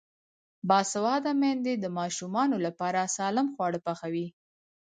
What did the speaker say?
باسواده میندې د ماشومانو لپاره سالم خواړه پخوي.